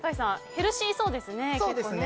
ヘルシーそうですね。